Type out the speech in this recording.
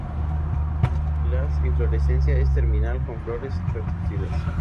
La inflorescencia es terminal con flores retorcidas.